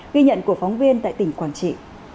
ghi nhận của phóng viên tại tỉnh quảng trị